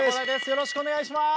よろしくお願いします！